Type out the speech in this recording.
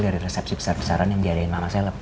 dari resepsi besar besaran yang diadain mama seleb